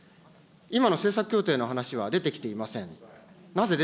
今の政策協定の話は出てきていません。